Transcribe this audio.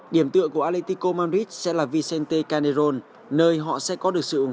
điểm tựa của atletico madrid sẽ là vicente canerón nơi họ sẽ có được sự ủng hộ